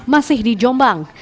masih di jombang